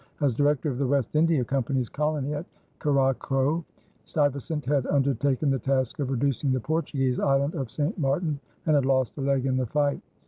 As Director of the West India Company's colony at Curaçao, Stuyvesant had undertaken the task of reducing the Portuguese island of St. Martin and had lost a leg in the fight.